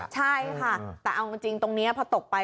ใช่ค่ะแต่เอาจริงตรงนี้พอตกไป